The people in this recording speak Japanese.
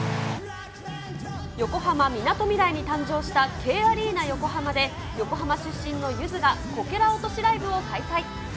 横浜みなとみらいのＫアリーナ横浜で、横浜出身のゆずがこけら落としライブを開催。